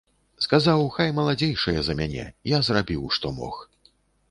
Сказаў, хай маладзейшыя за мяне, я зрабіў, што мог.